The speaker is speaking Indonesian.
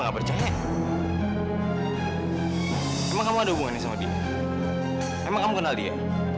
kamu ada hubungannya sama dia emang kamu kenal dia